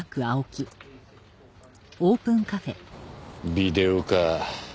ビデオか。